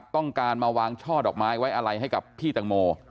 ต้องการวางช่อดอกไม้ไว้ให้คุณแต่งโม